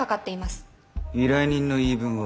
依頼人の言い分は？